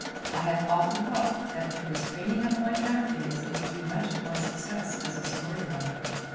I have often thought that to this training of my tramp days is due much of my success as a story writer.